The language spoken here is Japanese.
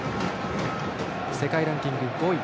世界ランキング５位。